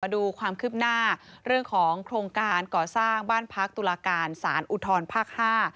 ดูความคืบหน้าเรื่องของโครงการก่อสร้างบ้านพักตุลาการสารอุทธรภาคห้า